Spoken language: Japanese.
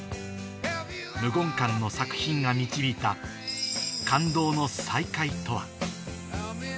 「無言館」の作品が導いた感動の再会とは？